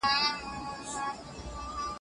لکه پاڼې د اصیل ګلاب انځور وې